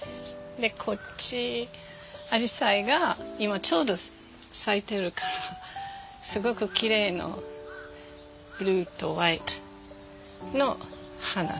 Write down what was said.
こっちアジサイが今ちょうど咲いてるからすごくきれいのブルーとホワイトの花。